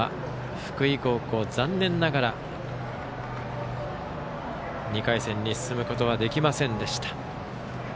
北陸高校、残念ながら２回戦に進むことはできませんでした。